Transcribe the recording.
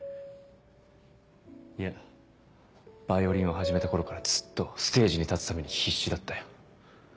いやヴァイオリンを始めた頃からずっとステージに立つために必死だったよ。